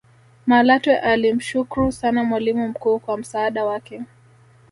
malatwe alimshukru sana mwalimu mkuu kwa msaada wake